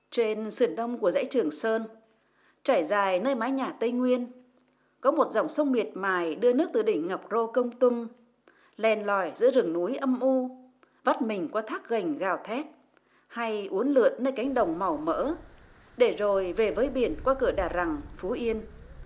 trên sườn đông của dãy trường sơn trải dài nơi mái nhà tây nguyên có một dòng sông miệt mài đưa nước từ đỉnh ngập rô công tung lên lòi giữa rừng núi âm u vắt mình qua thác gành gào thét hay uốn lượn nơi cánh đồng màu mỡ để rồi về với biển qua cửa đà rẳng phú yên